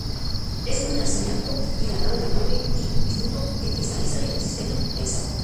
Es un arseniato hidratado de cobre y bismuto que cristaliza en el sistema hexagonal.